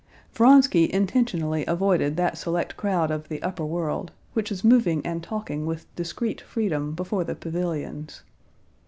Vronsky intentionally avoided that select crowd of the upper world, which was moving and talking with discreet freedom before the pavilions.